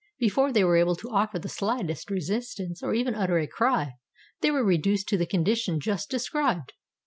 Before they were able to offer the slightest resistance, or even utter a cry, they were reduced to the condition just described.